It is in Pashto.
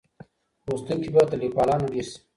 لوستونکي به تر ليکوالانو ډېر سي.